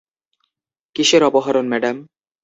কীসের অপহরণ, ম্যাডাম।